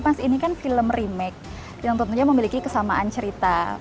mas ini kan film remake yang tentunya memiliki kesamaan cerita